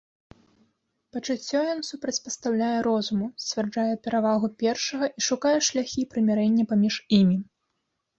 Пачуццё ён супрацьпастаўляе розуму, сцвярджае перавагу першага і шукае шляхі прымірэння паміж імі.